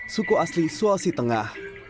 suku asli sulawesi tengah